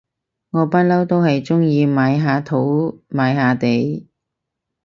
我不嬲都係中意買下土買下地